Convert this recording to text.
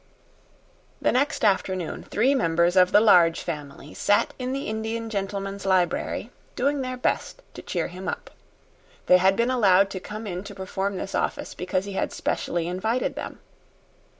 The next afternoon three members of the Large Family sat in the Indian gentleman's library, doing their best to cheer him up. They had been allowed to come in to perform this office because he had specially invited them.